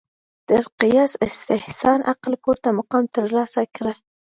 تر قیاس استحسان عقل پورته مقام ترلاسه کړ